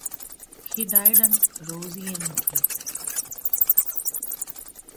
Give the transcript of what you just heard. He died in Roissy-en-Brie.